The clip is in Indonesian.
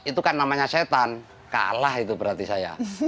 itu kan namanya setan kalah itu berarti saya